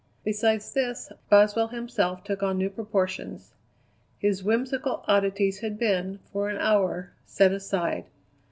Besides this, Boswell himself took on new proportions. His whimsical oddities had been, for an hour, set aside.